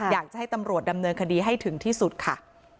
อยากจะให้ตำรวจดำเนินคดีให้ถึงที่สุดค่ะ